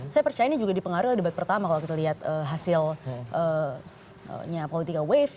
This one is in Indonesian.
saya percaya ini juga dipengaruhi oleh debat pertama kalau kita lihat hasilnya political wave